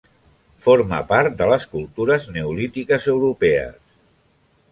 Forma part de les cultures neolítiques europees.